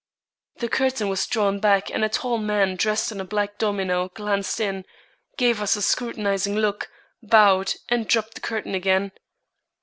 The curtain was drawn back and a tall man dressed in a black domino glanced in, gave us a scrutinizing look, bowed, and dropped the curtain again.